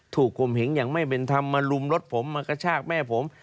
คมเหงอย่างไม่เป็นธรรมมาลุมรถผมมากระชากแม่ผม